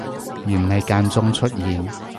而唔係間中出現